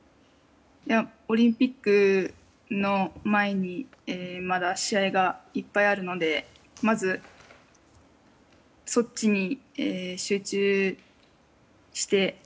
オリンピックの前にまだ試合がいっぱいあるのでまず、そっちに集中して。